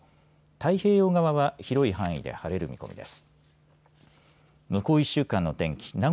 太平洋側は広い範囲で晴れる見込みです。